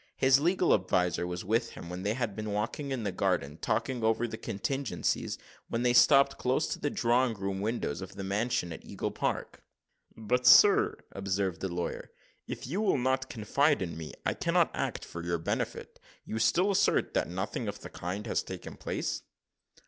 His legal adviser was with him, and they had been walking in the garden, talking over the contingencies, when they stopped close to the drawing room windows of the mansion at Eagle Park. "But, sir," observed the lawyer, "if you will not confide in me, I cannot act for your benefit. You still assert that nothing of the kind has taken place?"